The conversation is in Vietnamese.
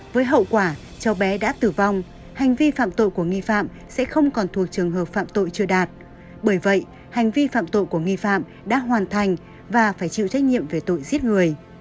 với hậu quả cháu bé đã tử vong hành vi phạm tội của nghi phạm sẽ không còn thuộc trường hợp phạm tội chưa đạt bởi vậy hành vi phạm tội của nghi phạm đã hoàn thành và phải chịu trách nhiệm về tội giết người